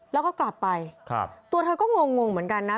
แล้วก็กลับไปตัวเธอก็งงเหมือนกันนะ